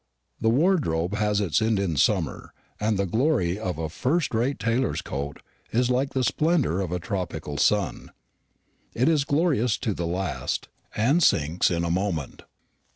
The wardrobe has its Indian summer; and the glory of a first rate tailor's coat is like the splendour of a tropical sun it is glorious to the last, and sinks in a moment.